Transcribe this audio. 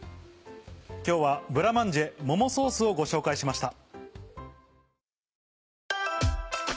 今日は「ブラマンジェ桃ソース」をご紹介しました。